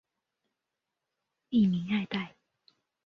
吏民爱戴。